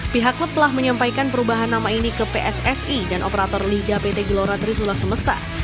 pihak klub telah menyampaikan perubahan nama ini ke pssi dan operator liga pt gelora trisula semesta